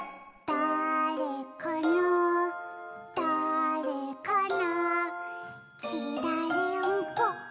「だぁれかなだぁれかな」